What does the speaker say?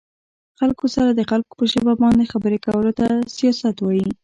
خلکو سره د خلکو په ژبه باندې خبرې کولو ته سياست وايه